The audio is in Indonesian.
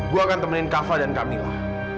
gue akan temenin kafa dan kamila